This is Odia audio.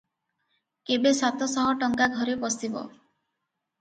କେବେ ସାତ ଶହ ଟଙ୍କା ଘରେ ପଶିବ ।